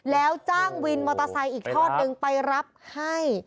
แล้วจ้างวินมอเตอร์ไซค์อีกทอดนึงไปรับให้